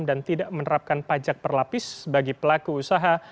dan tidak menerapkan pajak perlapis bagi pelaku usaha